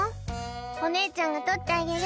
お姉ちゃんが取ってあげる」